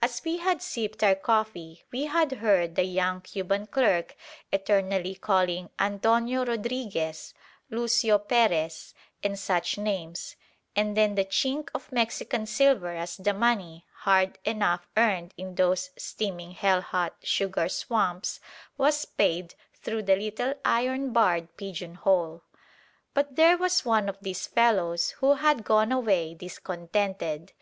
As we had sipped our coffee we had heard the young Cuban clerk eternally calling "Antonio Rodriguez," "Lucio Perez," and such names; and then the chink of Mexican silver as the money, hard enough earned in those steaming hell hot sugar swamps, was paid through the little iron barred pigeon hole. But there was one of these fellows who had gone away discontented.